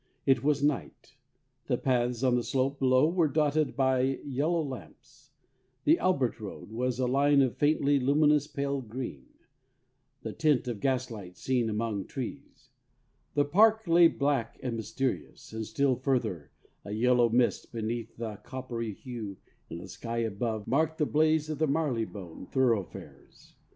It was night. The paths on the slope below were dotted out by yellow lamps; the Albert road was a line of faintly luminous pale green the tint of gaslight seen among trees; beyond, the park lay black and mysterious, and still further, a yellow mist beneath and a coppery hue in the sky above marked the blaze of the Marylebone thoroughfares.